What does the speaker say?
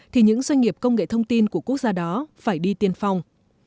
thì những doanh nghiệp công nghệ thông tin của quốc gia đó phải đi tiên phong